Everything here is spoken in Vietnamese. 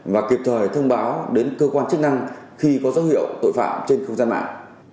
và kịp thời thông báo đến cơ quan chức năng khi có dấu hiệu tội phạm trên không gian mạng